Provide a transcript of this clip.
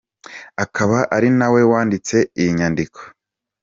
Akaba ari nawe wanditse iyi nyandiko.